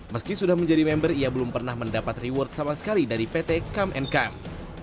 meski sudah menjadi member ia belum pernah mendapat reward sama sekali dari pt come and come